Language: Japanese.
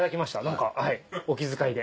何かお気遣いで。